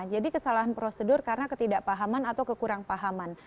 jadi kesalahan prosedur karena ketidakpahaman atau kekurangpahaman